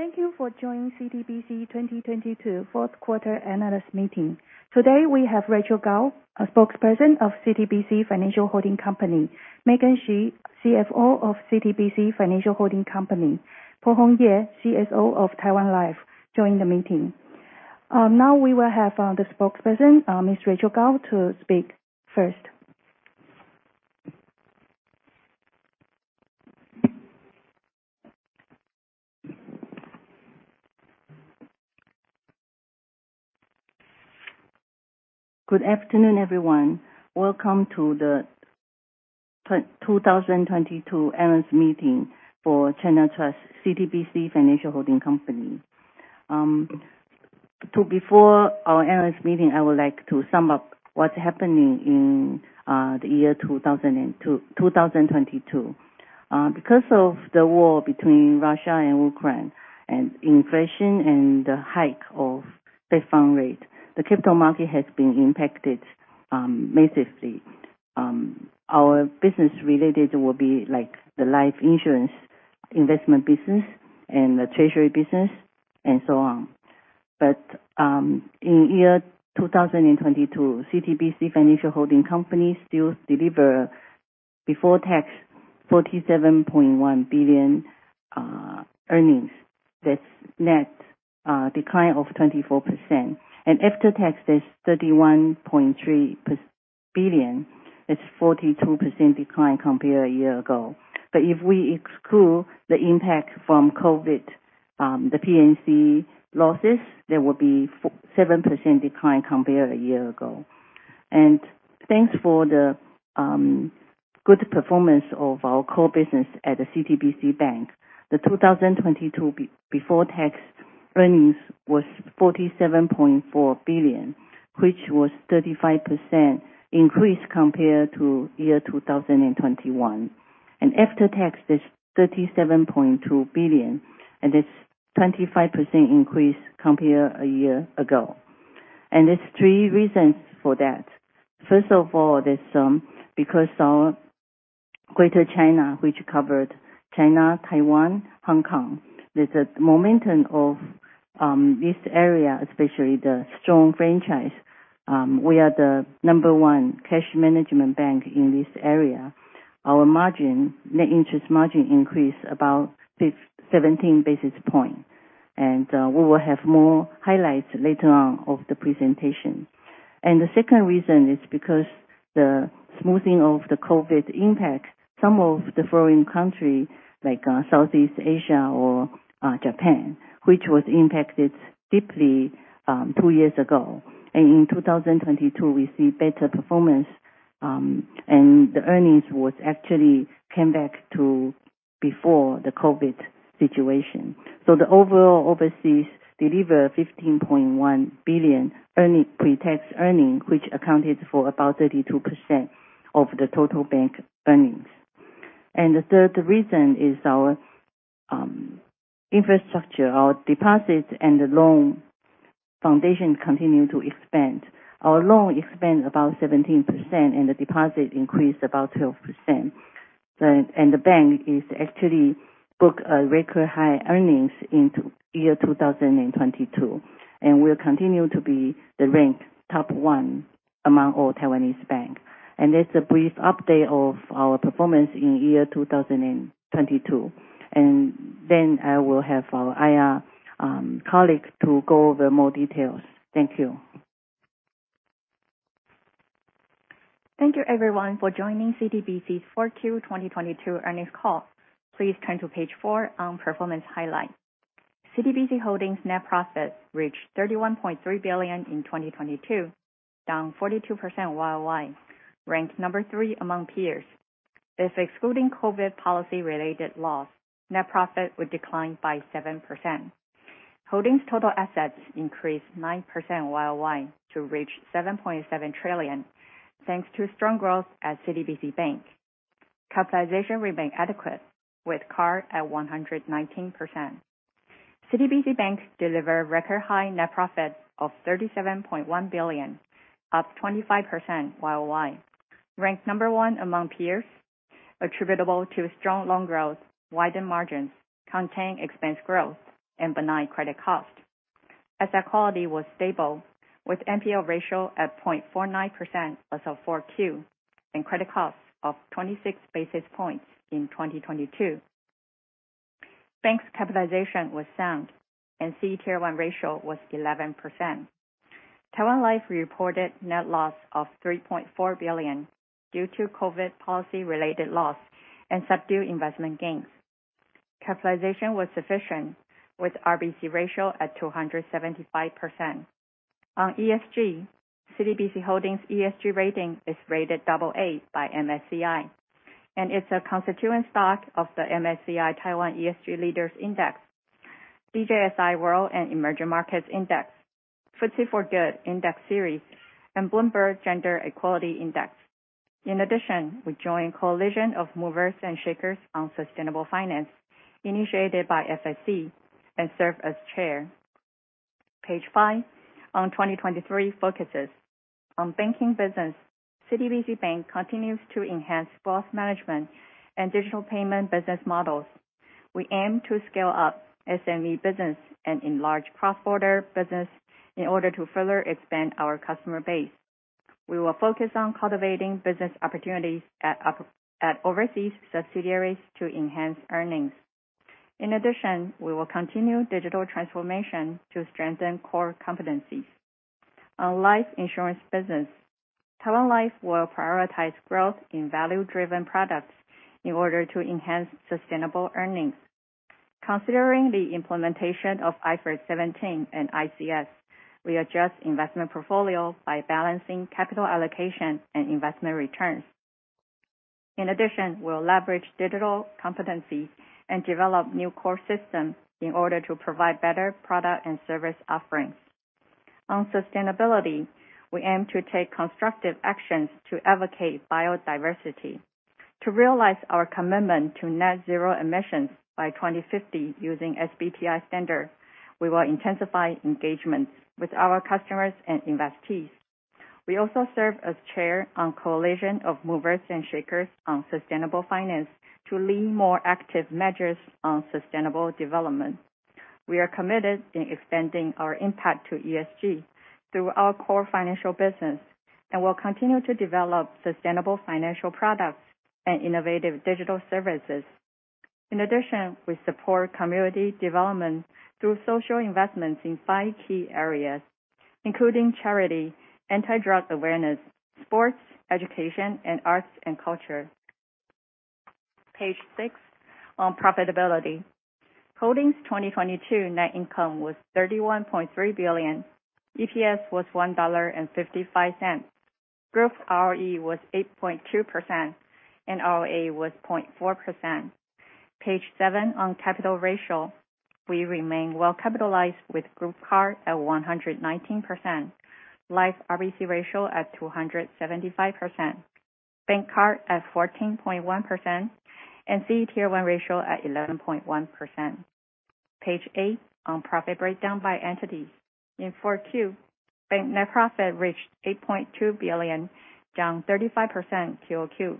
Thank you for joining CTBC 2022 fourth quarter analyst meeting. Today we have Rachael Kao, a Spokesperson of CTBC Financial Holding Company, Megan Hsu, CFO of CTBC Financial Holding Company, Pohong Yea, CSO of Taiwan Life, joining the meeting. Now we will have the Spokesperson, Ms. Rachael Kao, to speak first. Good afternoon, everyone. Welcome to the 2022 analyst meeting for Chinatrust CTBC Financial Holding Company. Before our analyst meeting, I would like to sum up what's happening in the year 2022. Because of the war between Russia and Ukraine, inflation, and the hike of base fund rate, the crypto market has been impacted massively. Our business related will be the life insurance investment business and the treasury business and so on. In year 2022, CTBC Financial Holding Company still delivered before tax, 47.1 billion earnings. That's net decline of 24%. After tax, there's 31.3 billion. That's 42% decline compared a year ago. If we exclude the impact from COVID, the P&C losses, there will be 7% decline compared a year ago. Thanks for the good performance of our core business at the CTBC Bank. The 2022 before tax earnings was 47.4 billion, which was 35% increase compared to year 2021. After tax, there's 37.2 billion, and it's 25% increase compared a year ago. There's three reasons for that. First of all, because our Greater China, which covered China, Taiwan, Hong Kong, there's a momentum of this area, especially the strong franchise. We are the number one cash management bank in this area. Our net interest margin increased about 17 basis points, and we will have more highlights later on of the presentation. The second reason is because the smoothing of the COVID impact, some of the foreign country, like Southeast Asia or Japan, which was impacted deeply two years ago. In 2022, we see better performance, and the earnings was actually came back to before the COVID situation. The overall overseas delivered 15.1 billion pre-tax earning, which accounted for about 32% of the total bank earnings. The third reason is our infrastructure. Our deposits and the loan foundation continue to expand. Our loan expanded about 17%, and the deposit increased about 12%. The bank is actually booked a record high earnings into year 2022, and will continue to be the rank top one among all Taiwanese bank. That's a brief update of our performance in year 2022. Then I will have our IR colleague to go over more details. Thank you. Thank you everyone for joining CTBC's 4Q 2022 earnings call. Please turn to page four on performance highlight. CTBC Holding's net profit reached 31.3 billion in 2022, down 42% year-over-year, ranked number 3 among peers. If excluding COVID policy related loss, net profit would decline by 7%. Holding's total assets increased 9% year-over-year to reach 7.7 trillion, thanks to strong growth at CTBC Bank. Capitalization remain adequate with CAR at 119%. CTBC Bank delivered record high net profit of 37.1 billion, up 25% year-over-year, ranked number 1 among peers, attributable to strong loan growth, widened margins, contained expense growth, and benign credit cost. Asset quality was stable, with NPL ratio at 0.49% as of 4Q, and credit cost of 26 basis points in 2022. Bank's capitalization was sound, and CET1 ratio was 11%. Taiwan Life reported net loss of 3.4 billion due to COVID policy related loss and subdued investment gains. Capitalization was sufficient, with RBC ratio at 275%. On ESG, CTBC Holding's ESG rating is rated AA by MSCI, and it's a constituent stock of the MSCI Taiwan ESG Leaders Index, DJSI World & Emerging Markets Index, FTSE4Good Index Series, and Bloomberg Gender-Equality Index. In addition, we join Coalition of Movers and Shakers on Sustainable Finance initiated by FSC and serve as chair. Page five. On 2023 focuses. On banking business, CTBC Bank continues to enhance growth management and digital payment business models. We aim to scale up SME business and enlarge cross-border business in order to further expand our customer base. We will focus on cultivating business opportunities at overseas subsidiaries to enhance earnings. In addition, we will continue digital transformation to strengthen core competencies. On life insurance business, Taiwan Life will prioritize growth in value-driven products in order to enhance sustainable earnings. Considering the implementation of IFRS 17 and ICS, we adjust investment portfolio by balancing capital allocation and investment returns. In addition, we'll leverage digital competency and develop new core systems in order to provide better product and service offerings. On sustainability, we aim to take constructive actions to advocate biodiversity. To realize our commitment to net zero emissions by 2050 using SBTi standard, we will intensify engagement with our customers and investees. We also serve as chair on Coalition of Movers and Shakers on Sustainable Finance to lead more active measures on sustainable development. We are committed in extending our impact to ESG through our core financial business, and we'll continue to develop sustainable financial products and innovative digital services. In addition, we support community development through social investments in five key areas, including charity, anti-drug awareness, sports, education, and arts and culture. Page six, on profitability. Holding's 2022 net income was 31.3 billion. EPS was 1.55 dollar. Group ROE was 8.2%, and ROA was 0.4%. Page seven, on capital ratio. We remain well-capitalized with group CAR at 119%, life RBC ratio at 275%, bank CAR at 14.1%, and CET1 ratio at 11.1%. Page eight, on profit breakdown by entities. In 4Q, bank net profit reached 8.2 billion, down 35% quarter-over-quarter,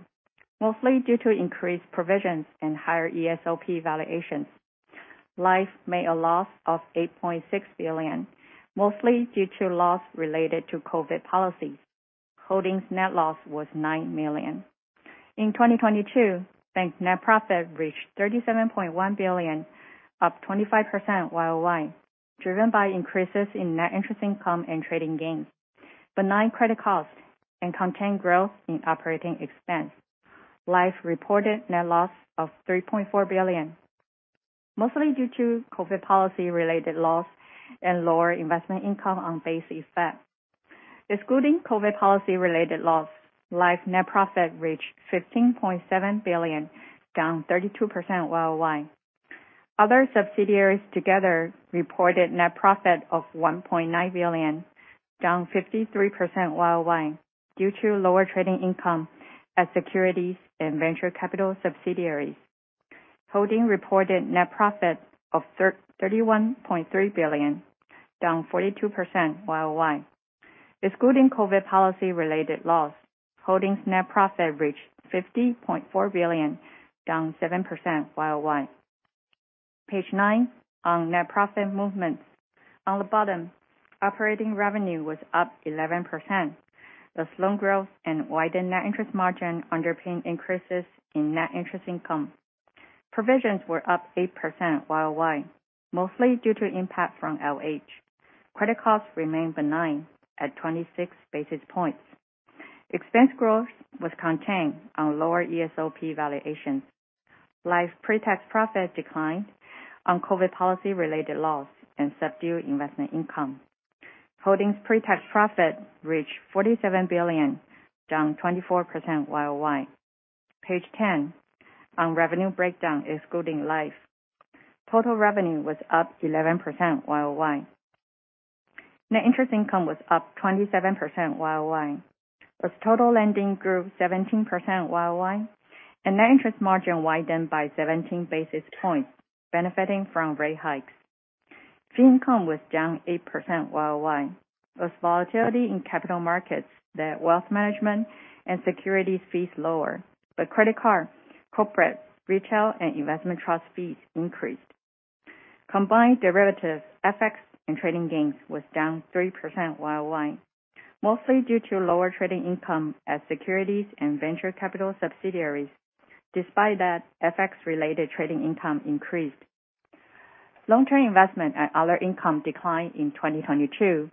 mostly due to increased provisions and higher ESOP valuations. Life made a loss of 8.6 billion, mostly due to loss related to COVID policies. Holding's net loss was 9 million. In 2022, bank net profit reached 37.1 billion, up 25% year-over-year, driven by increases in net interest income and trading gains, benign credit costs, and contained growth in operating expense. Life reported net loss of 3.4 billion, mostly due to COVID policy-related loss and lower investment income on base effect. Excluding COVID policy-related loss, Life net profit reached 15.7 billion, down 32% year-over-year. Other subsidiaries together reported net profit of 1.9 billion, down 53% year-over-year, due to lower trading income at securities and venture capital subsidiaries. Holding reported net profit of 31.3 billion, down 42% year-over-year. Excluding COVID policy-related loss, Holdings' net profit reached 50.4 billion, down 7% year-over-year. Page nine, on net profit movements. On the bottom, operating revenue was up 11%, as loan growth and widened net interest margin underpinned increases in net interest income. Provisions were up 8% year-over-year, mostly due to impact from LH. Credit costs remained benign at 26 basis points. Expense growth was contained on lower ESOP valuations. Life pre-tax profit declined on COVID policy-related loss and subdued investment income. Holdings' pre-tax profit reached 47 billion, down 24% year-over-year. Page 10, on revenue breakdown excluding Life. Total revenue was up 11% year-over-year. Net interest income was up 27% year-over-year, as total lending grew 17% year-over-year, and net interest margin widened by 17 basis points, benefiting from rate hikes. Fee income was down 8% year-over-year, as volatility in capital markets led wealth management and securities fees lower, but credit card, corporate, retail, and investment trust fees increased. Combined derivative, FX and trading gains was down 3% year-over-year, mostly due to lower trading income at securities and venture capital subsidiaries. Despite that, FX-related trading income increased. Long-term investment and other income declined in 2022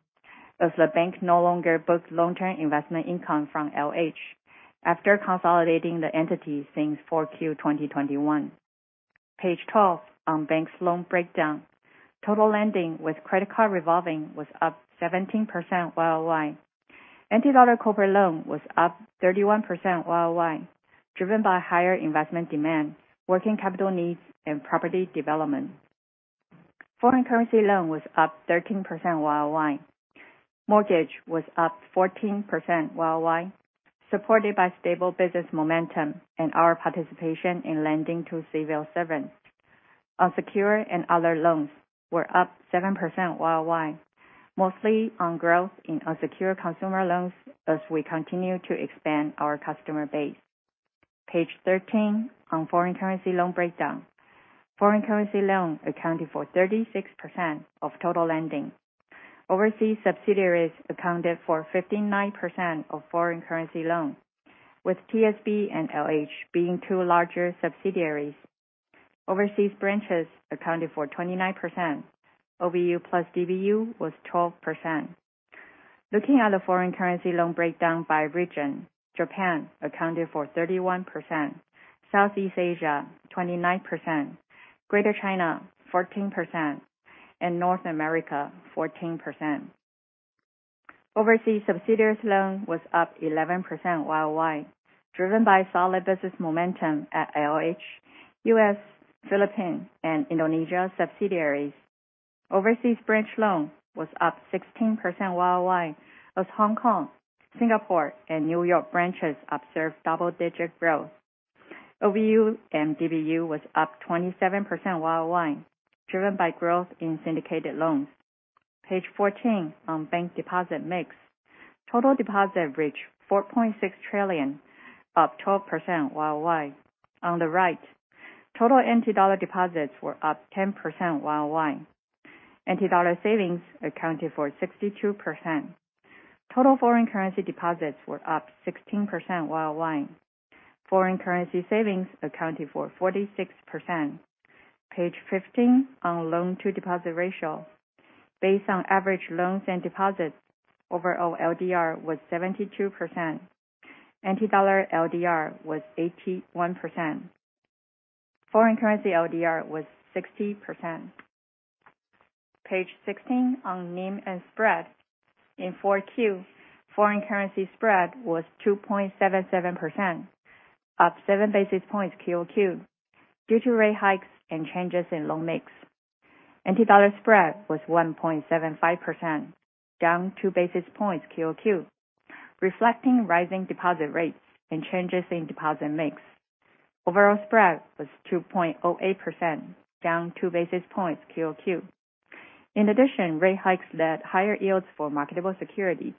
as the bank no longer booked long-term investment income from LH after consolidating the entity since 4Q 2021. Page 12, on bank's loan breakdown. Total lending with credit card revolving was up 17% year-over-year. NT dollar corporate loan was up 31% year-over-year, driven by higher investment demand, working capital needs, and property development. Foreign currency loan was up 13% year-over-year. Mortgage was up 14% year-over-year, supported by stable business momentum and our participation in lending to civil servants. Unsecured and other loans were up 7% year-over-year, mostly on growth in unsecured consumer loans as we continue to expand our customer base. Page 13, on foreign currency loan breakdown. Foreign currency loan accounted for 36% of total lending. Overseas subsidiaries accounted for 59% of foreign currency loan, with TSB and LH being two larger subsidiaries. Overseas branches accounted for 29%. OBU plus DBU was 12%. Looking at the foreign currency loan breakdown by region, Japan accounted for 31%, Southeast Asia 29%, Greater China 14%, and North America 14%. Overseas subsidiaries loan was up 11% year-over-year, driven by solid business momentum at LH, U.S., Philippine, and Indonesia subsidiaries. Overseas branch loan was up 16% year-over-year as Hong Kong, Singapore, and New York branches observed double-digit growth. OBU and DBU was up 27% year-over-year, driven by growth in syndicated loans. Page 14 on bank deposit mix. Total deposits reached 4.6 trillion, up 12% year-over-year. On the right, total NT dollar deposits were up 10% year-over-year. NT dollar savings accounted for 62%. Total foreign currency deposits were up 16% year-over-year. Foreign currency savings accounted for 46%. Page 15 on loan-to-deposit ratio. Based on average loans and deposits, overall LDR was 72%. NT dollar LDR was 81%. Foreign currency LDR was 16%. Page 16 on NIM and spread. In four Q, foreign currency spread was 2.77%, up seven basis points QOQ due to rate hikes and changes in loan mix. Anti-dollar spread was 1.75%, down two basis points QOQ, reflecting rising deposit rates and changes in deposit mix. Overall spread was 2.08%, down two basis points QOQ. In addition, rate hikes led higher yields for marketable security.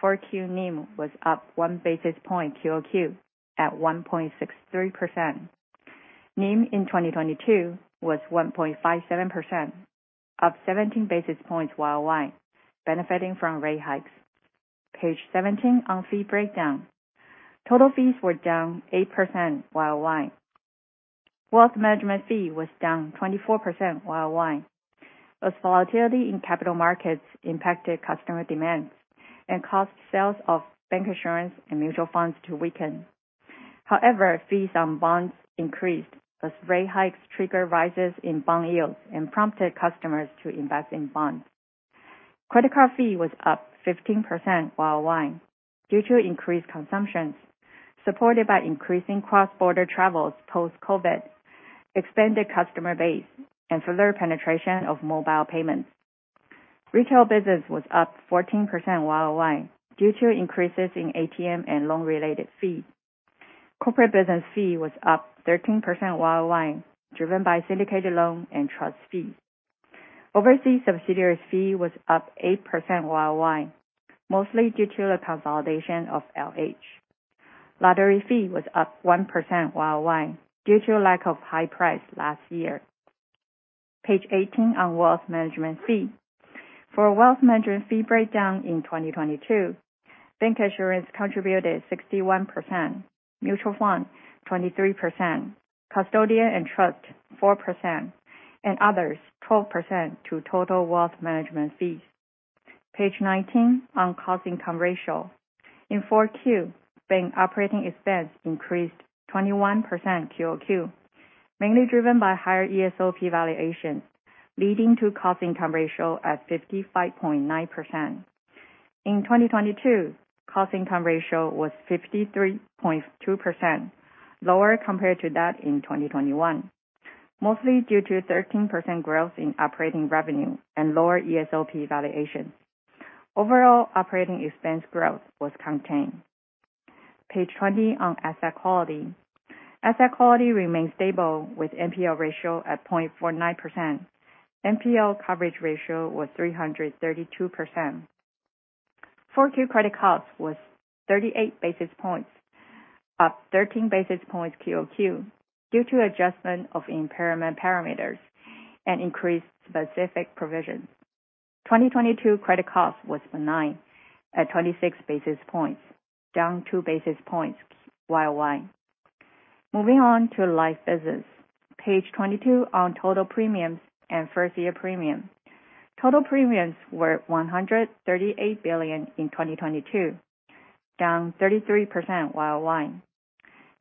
Four Q NIM was up one basis point QOQ at 1.63%. NIM in 2022 was 1.57%, up 17 basis points YOY, benefiting from rate hikes. Page 17 on fee breakdown. Total fees were down 8% YOY. Wealth management fee was down 24% YOY as volatility in capital markets impacted customer demands and caused sales of bank insurance and mutual funds to weaken. Fees on bonds increased as rate hikes triggered rises in bond yields and prompted customers to invest in bonds. Credit card fee was up 15% YOY due to increased consumption, supported by increasing cross-border travels post-COVID, expanded customer base, and further penetration of mobile payments. Retail business was up 14% YOY due to increases in ATM and loan-related fees. Corporate business fee was up 13% YOY, driven by syndicated loan and trust fees. Overseas subsidiaries fee was up 8% YOY, mostly due to the consolidation of LH. Lottery fee was up 1% YOY due to lack of high price last year. Page 18 on wealth management fee. For wealth management fee breakdown in 2022, bank insurance contributed 61%, mutual funds 23%, custodian and trust 4%, and others 12% to total wealth management fees. Page 19 on cost income ratio. In four Q, bank operating expense increased 21% QOQ, mainly driven by higher ESOP valuation, leading to cost income ratio at 55.9%. In 2022, cost income ratio was 53.2%, lower compared to that in 2021, mostly due to 13% growth in operating revenue and lower ESOP valuation. Overall operating expense growth was contained. Page 20 on asset quality. Asset quality remained stable with NPL ratio at 0.49%. NPL coverage ratio was 332%. Four Q credit cost was 38 basis points, up 13 basis points QOQ due to adjustment of impairment parameters and increased specific provisions. 2022 credit cost was benign at 26 basis points, down two basis points YOY. Moving on to life business. Page 22 on total premiums and first-year premium. Total premiums were TWD 138 billion in 2022, down 33% YOY.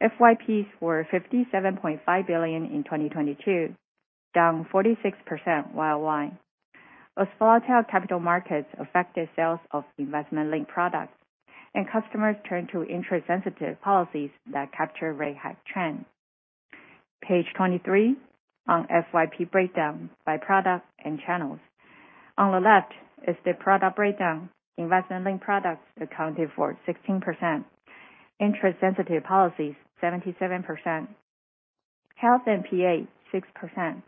FYPs were 57.5 billion in 2022, down 46% YOY. Those volatile capital markets affected sales of investment-linked products and customers turned to interest-sensitive policies that capture rate hike trend. Page 23 on FYP breakdown by product and channels. On the left is the product breakdown. Investment-linked products accounted for 16%, interest-sensitive policies, 77%, health and PA, 6%,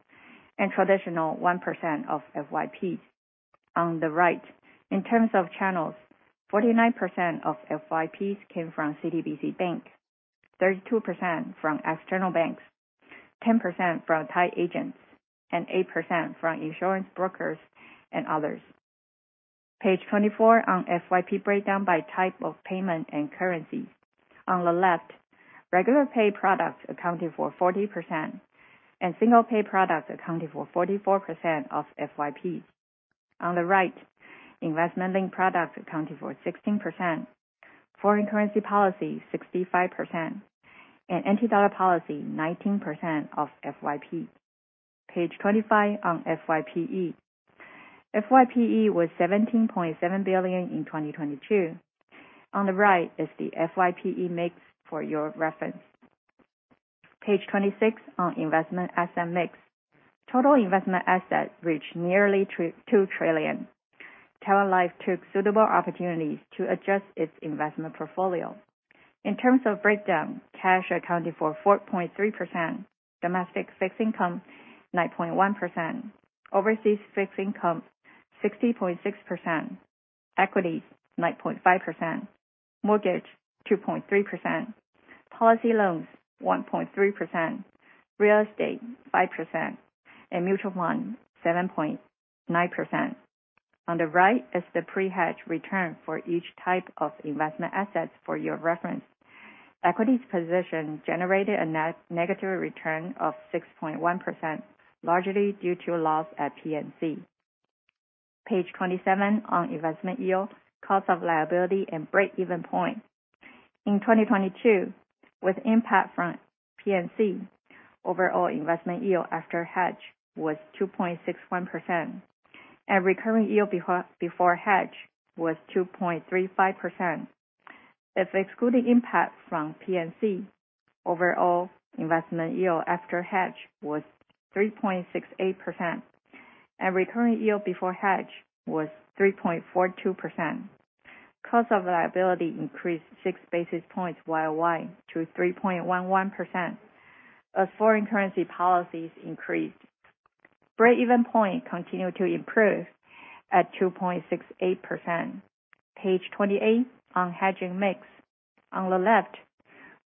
and traditional, 1% of FYPs. On the right, in terms of channels, 49% of FYPs came from CTBC Bank, 32% from external banks, 10% from tied agents, and 8% from insurance brokers and others. Page 24 on FYP breakdown by type of payment and currency. On the left, regular pay products accounted for 40%, and single pay products accounted for 44% of FYP. On the right, investment-linked products accounted for 16%, foreign currency policy, 65%, and anti-dollar policy, 19% of FYP. Page 25 on FYPE. FYPE was TWD 17.7 billion in 2022. On the right is the FYPE mix for your reference. Page 26 on investment asset mix. Total investment assets reached nearly 2 trillion Taiwan dollars. Taiwan Life took suitable opportunities to adjust its investment portfolio. In terms of breakdown, cash accounted for 4.3%, domestic fixed income, 9.1%, overseas fixed income, 60.6%, equities, 9.5%, mortgage, 2.3%, policy loans, 1.3%, real estate, 5%, and mutual fund, 7.9%. On the right is the pre-hedge return for each type of investment assets for your reference. Equities position generated a negative return of 6.1%, largely due to loss at P&C. Page 27 on investment yield, cost of liability, and breakeven point. In 2022, with impact from P&C, overall investment yield after hedge was 2.61%, and recurring yield before hedge was 2.35%. If excluding impact from P&C, overall investment yield after hedge was 3.68%, and recurring yield before hedge was 3.42%. Cost of liability increased 6 basis points year-over-year to 3.11%. As foreign currency policies increased, breakeven point continued to improve at 2.68%. Page 28 on hedging mix. On the left,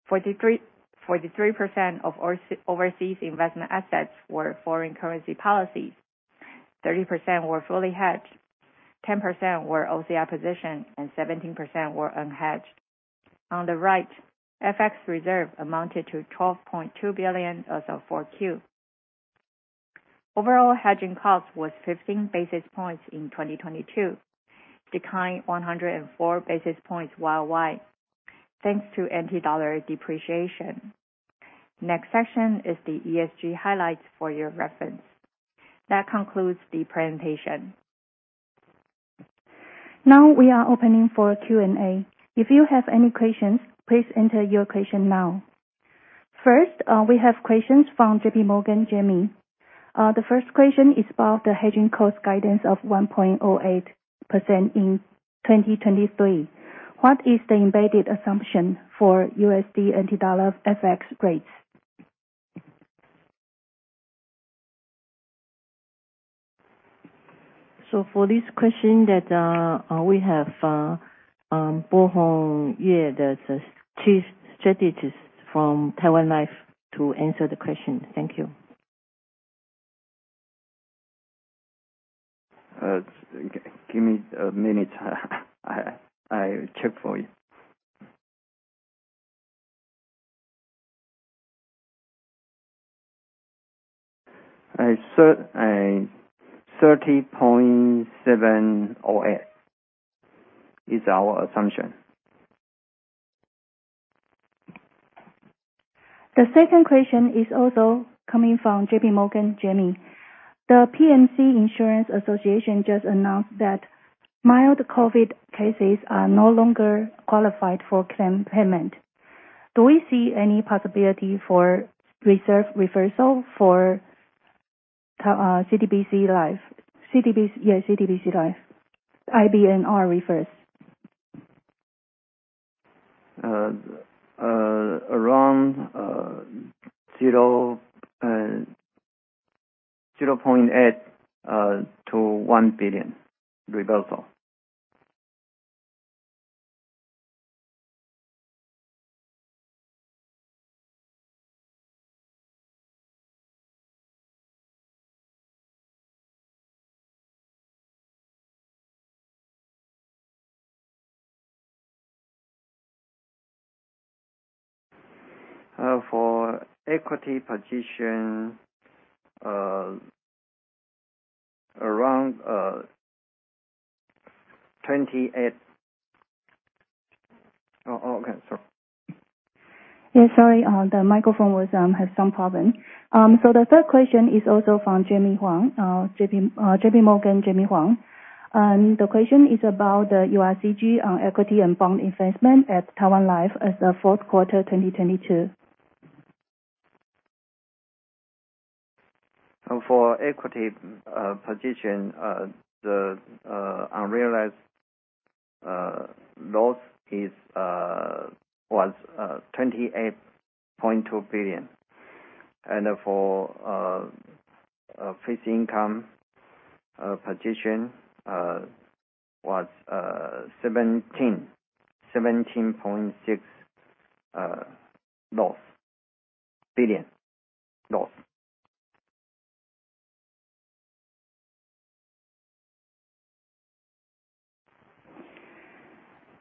43% of overseas investment assets were foreign currency policies. 30% were fully hedged, 10% were OCI position, and 17% were unhedged. On the right, FX reserve amounted to $12.2 billion as of 4Q. Overall hedging cost was 15 basis points in 2022, declining 104 basis points year-over-year, thanks to anti-dollar depreciation. Next section is the ESG highlights for your reference. That concludes the presentation. Now we are opening for Q&A. If you have any questions, please enter your question now. First, we have questions from JP Morgan, Jamie. The first question is about the hedging cost guidance of 1.08% in 2023. What is the embedded assumption for USD anti-dollar FX rates? For this question that we have Bo-hung Yeh, the chief strategist from Taiwan Life to answer the question. Thank you. Give me a minute. I check for you. 30.708 is our assumption. The second question is also coming from JP Morgan, Jamie. The P&C Insurance Association just announced that mild COVID cases are no longer qualified for claim payment. Do we see any possibility for reserve reversal for CTBC Life IBNR reverse? Around 0.8 billion to TWD 1 billion reversal. The third question is also from Jamie Huang. JP Morgan, Jamie Huang. The question is about the URCG on equity and bond investment at Taiwan Life as of fourth quarter 2022. For equity position, the unrealized loss was 28.2 billion. For fixed income position was TWD 17.6 billion loss.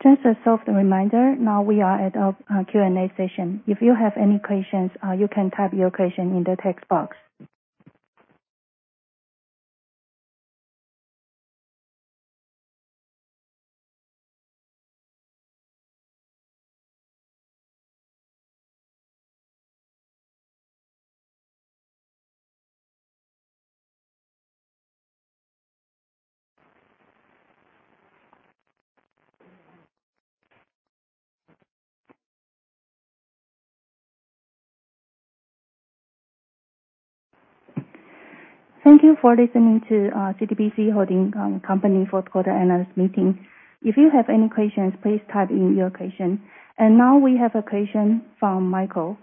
Just a soft reminder, now we are at our Q&A session. If you have any questions, you can type your question in the text box. Thank you for listening to CTBC Holding Company fourth quarter analyst meeting. If you have any questions, please type in your question. Now we have a question from Michael.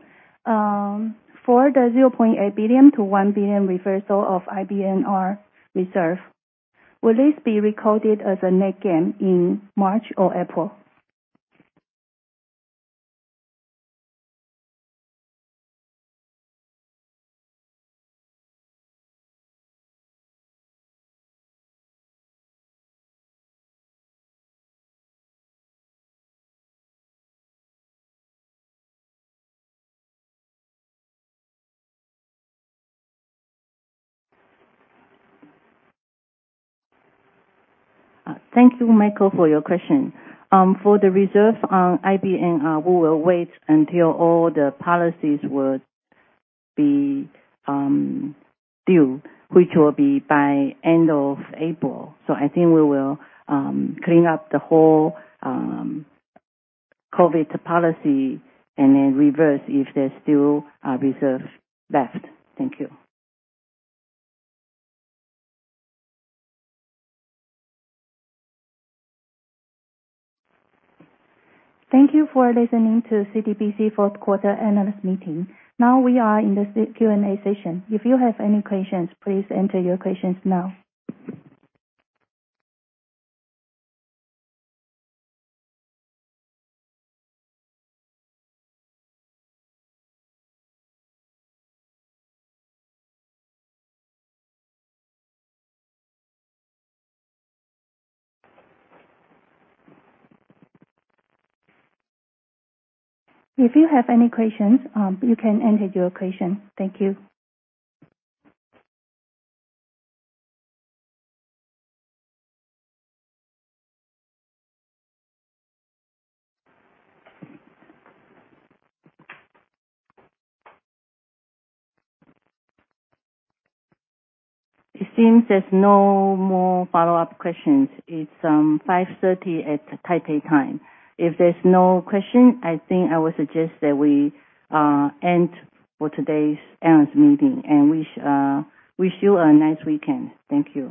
For the 0.8 billion-1 billion reversal of IBNR reserve, will this be recorded as a net gain in March or April? Thank you, Michael, for your question. For the reserve on IBNR, we will wait until all the policies will be due, which will be by end of April. I think we will clean up the whole COVID policy and then reverse if there's still reserve left. Thank you. Thank you for listening to CTBC fourth quarter analyst meeting. Now we are in the Q&A session. If you have any questions, please enter your questions now. If you have any questions, you can enter your question. Thank you. It seems there's no more follow-up questions. It's 5:30 P.M. Taipei time. If there's no question, I think I will suggest that we end for today's analyst meeting. Wish you a nice weekend. Thank you.